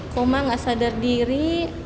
koma gak sadar diri